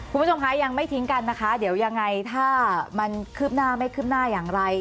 คุณผู้ชมคะยังไม่ทิ้งกันนะคะเดี๋ยวยังไงถ้ามันคืบหน้าไม่คืบหน้าอย่างไร